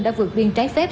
đã vượt biên trái phép